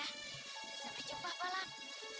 sampai jumpa balap